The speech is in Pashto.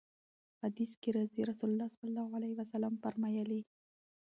په حديث کي راځي: رسول الله صلی الله عليه وسلم فرمايلي: